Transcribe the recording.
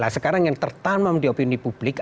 nah sekarang yang tertanam di opini publik